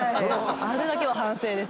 あれだけは反省ですね。